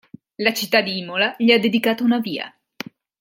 La città di Imola gli ha dedicato una via.